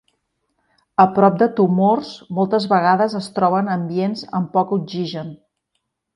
A prop de tumors moltes vegades es troben ambients amb poc oxigen.